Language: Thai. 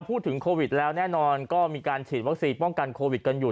พูดถึงโควิดแล้วแน่นอนก็มีการฉีดวัคซีนป้องกันโควิดกันอยู่